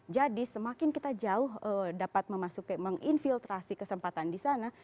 jadi semakin kita jauh dapat memasuki menginfiltrasi kesempatan di sana